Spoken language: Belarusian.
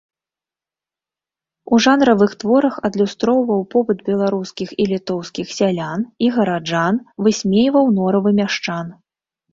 У жанравых творах адлюстроўваў побыт беларускіх і літоўскіх сялян і гараджан, высмейваў норавы мяшчан.